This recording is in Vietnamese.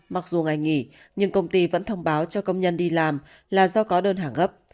mặc dù ngày nghỉ nhưng công ty vẫn thông báo cho công nhân đi làm là do có đơn hàng gấp